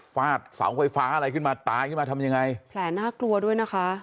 ฟาดเสาไฟฟ้าอะไรขึ้นมาตายขึ้นมาทำยังไงแผลน่ากลัวด้วยนะคะ